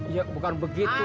iya bukan begitu